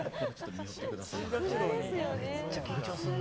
めっちゃ緊張するな。